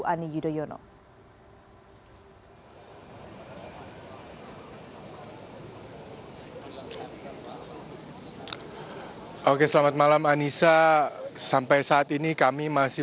ani yudhoyono hai hai hai hai hai hai hai oke selamat malam anissa sampai saat ini kami masih